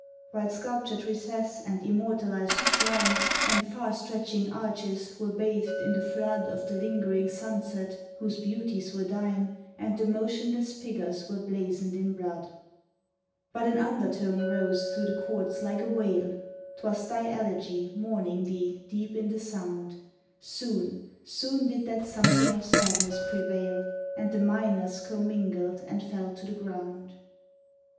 While sculptured recess and immortalized shrine And far stretching arches were bathed in the flood Of the lingering sunset, whose beauties were thine, And the motionless figures were blazoned in blood. But an undertone rose thro' the chords like a wail, 'Twas thy elegy mourning thee deep in the sound, Soon, soon did that something of sadness prevail, And the minors commingled and fell to the ground.